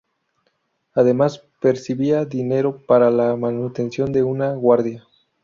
Además, percibía dinero para la manutención de una guardia.